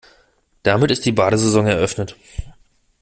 Damit ist die Badesaison eröffnet.